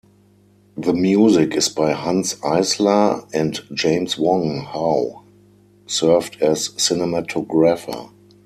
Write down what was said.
The music is by Hanns Eisler and James Wong Howe served as cinematographer.